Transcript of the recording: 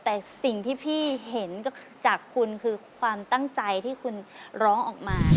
แต่สิ่งที่พี่เห็นจากคุณคือความตั้งใจที่คุณร้องออกมา